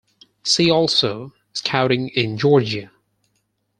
See also: Scouting in Georgia.